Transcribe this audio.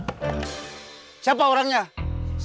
katanya pertigaannya ada yang ngehajar